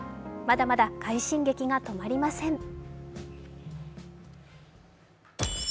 まだまだ快進撃が止まりません。